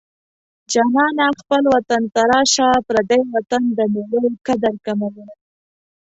جانانه خپل وطن ته راشه پردی وطن د مېړو قدر کموينه